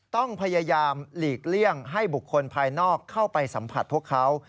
ต้องพยายามหลีกเลี่ยงให้บุคคลภายนอกเข้าไปสัมผัสพวกเขา